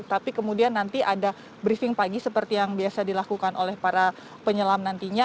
tapi kemudian nanti ada briefing pagi seperti yang biasa dilakukan oleh para penyelam nantinya